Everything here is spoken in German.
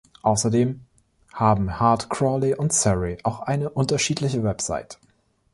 Außerdem haben Heart Crawley und Surrey auch eine unterschiedliche Website.